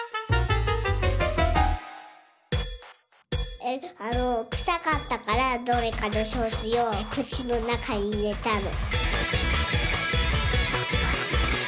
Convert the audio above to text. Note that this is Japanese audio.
えっあのくさかったからどうにかしようくちのなかにいれたの。